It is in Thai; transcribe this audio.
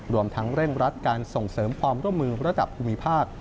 รวมทั้งเร่งรัดการส่งเสริมความร่วมมือระดับภูมิภาค